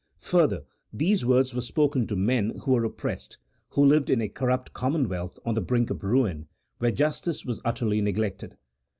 Further, these words were spoken to men who were oppressed, who lived in a corrupt commonwealth on the brink of ruin, where justice was utterly neglected.